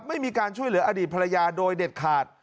ไม่มีการช่วยเหลืออดีตภรรยาโดยเด็ดขาด